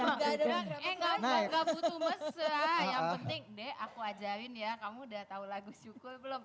enggak dong enggak enggak butuh mesah yang penting deh aku ajarin ya kamu udah tahu lagu syukur belum